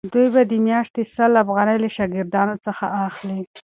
دوی به د میاشتې سل افغانۍ له شاګردانو څخه اخلي.